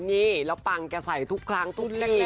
นี่แล้วปังกระใสทุกครั้งทุกฤทธิ์